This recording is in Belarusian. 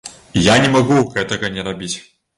І я не магу гэтага не рабіць.